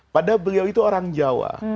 padahal beliau itu orang jawa